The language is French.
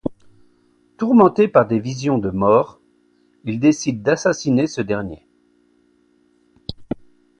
Tourmenté par des visions de mort, il décide d'assassiner ce dernier.